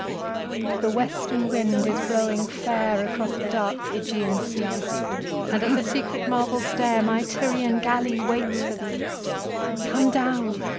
THE WESTERN wind is blowing fairAcross the dark Ægean sea, And at the secret marble stairMy Tyrian galley waits for thee. Come down!